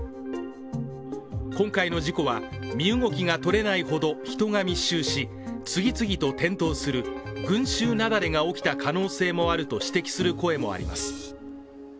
今回の事故は、身動きがとれないほど人が密集し次々と転倒する群集雪崩が起きた可能性もあると指摘する声もあります。